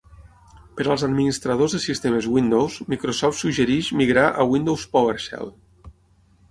Per als administradors de sistemes Windows, Microsoft suggereix migrar a Windows PowerShell.